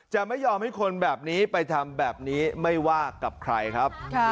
จะไม่ยอมให้คนแบบนี้ไปทำแบบนี้ไม่ว่ากับใครครับ